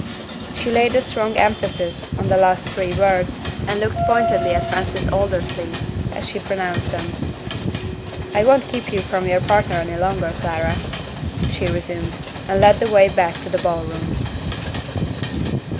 She laid a strong emphasis on the last three words, and looked pointedly at Francis Aldersley as she pronounced them. "I won't keep you from your partner any longer, Clara," she resumed, and led the way back to the ball room.